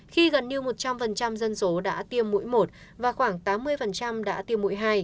khi gần như một trăm linh dân số đã tiêm mũi một và khoảng tám mươi đã tiêm mũi hai